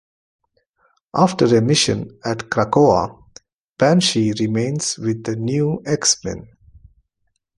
After a mission at Krakoa, Banshee remains with the "New X-Men".